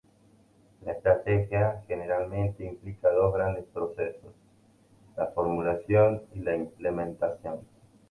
La estrategia generalmente implica dos grandes procesos: la formulación y la implementación.